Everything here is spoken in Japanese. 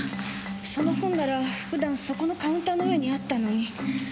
その本なら普段そこのカウンターの上にあったのに。